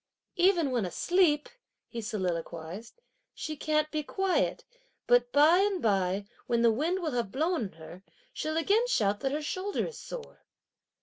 "Even when asleep," he soliloquised, "she can't be quiet! but by and by, when the wind will have blown on her, she'll again shout that her shoulder is sore!"